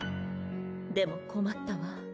でも困ったわ。